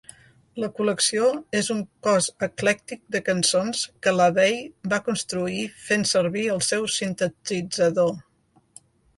La col·lecció és un cos eclèctic de cançons que LaVey va construir fent servir el seu sintetitzador.